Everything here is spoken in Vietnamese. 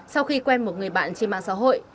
sau khi quen một người bạn trên mạng xã hội